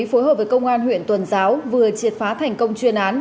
phối hợp với công an huyện tuần giáo vừa triệt phá thành công chuyên án